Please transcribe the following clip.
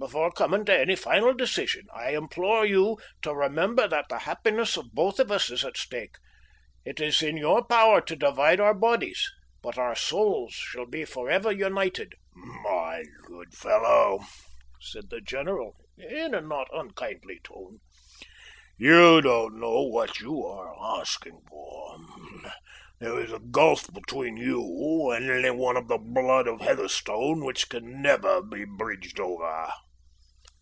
Before coming to any final decision, I implore you to remember that the happiness of both of us is at stake. It is in your power to divide our bodies, but our souls shall be for ever united." "My good fellow," said the general, in a not unkindly tone, "you don't know what you are asking for. There is a gulf between you and any one of the blood of Heatherstone which can never be bridged over."